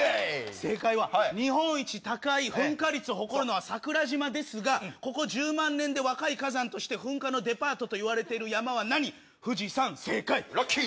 正解は日本一高い噴火率を誇るのは桜島ですが、ここ１０万年で若い火山として噴火のデパートといわれている山はラッキー。